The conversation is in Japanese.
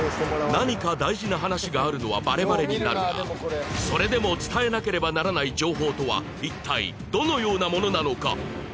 何か大事な話があるのはバレバレになるがそれでも伝えなければならない情報とは一体どのようなものなのか？